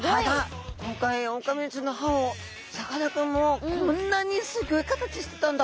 今回オオカミウオちゃんの歯をさかなクンもこんなにすギョい形してたんだ